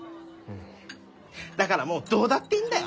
だからもうどうだっていいんだよ！